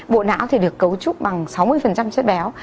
bộ não thì được cấu trúc bằng sáu mươi chất béo